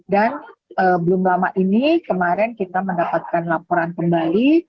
dan belum lama ini kemarin kita mendapatkan laporan kembali